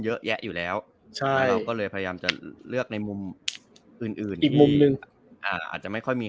เยอะแยะอยู่แล้วใช่เราก็เลยพยายามจะเลือกในมุมอื่นอื่นอีกมุมหนึ่งอาจจะไม่ค่อยมี